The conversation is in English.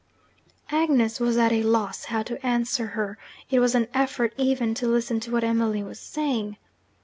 Agnes was at a loss how to answer her; it was an effort even to listen to what Emily was saying.